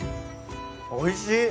おいしい。